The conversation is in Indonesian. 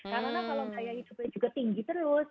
karena kalau gaya hidupnya juga tinggi terus